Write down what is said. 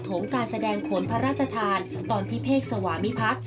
มการแสดงโขนพระราชทานตอนพิเภกสวามิพักษ์